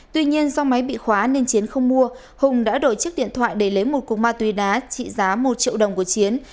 tuy nhiên do máy bị khóa nên chiến không mua hùng đã đổi chiếc điện thoại để lấy một cục ma túy đá trị giá một triệu đồng của chiến